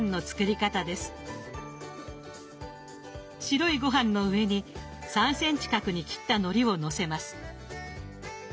白いごはんの上に３ｃｍ角に切ったのりをのせます。